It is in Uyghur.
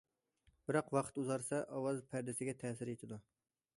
بىراق ۋاقىت ئۇزارسا، ئاۋاز پەردىسىگە تەسىر يېتىدۇ.